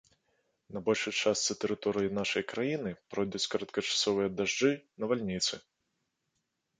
На большай частцы тэрыторыі нашай краіны пройдуць кароткачасовыя дажджы, навальніцы.